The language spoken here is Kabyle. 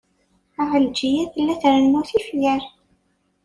Ɛelǧiya tella trennu tifyar.